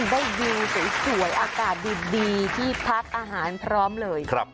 วิวสวยอากาศดีที่พักอาหารพร้อมเลย